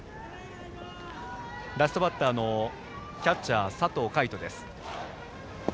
ラストバッターのキャッチャー、佐藤海斗。